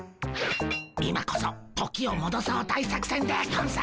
今こそ時をもどそう大作戦でゴンス。